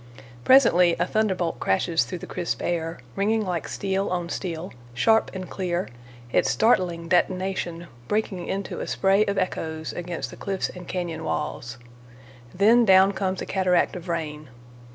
Presently a thunderbolt crashes through the crisp air, ringing like steel on steel, sharp and clear, its startling detonation breaking into a spray of echoes against the cliffs and cañon walls. Then down comes a cataract of rain.